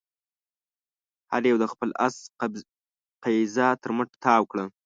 هر يوه د خپل آس قيضه تر مټ تاو کړه.